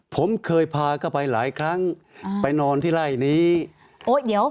ผมเคยพาเข้าไปหลายครั้งอ่าไปนอนที่ไล่นี้โอ้ยเดี๋ยว